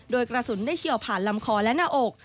โดยกระสุนได้เฉียวผ่านลำคอและหน้าอก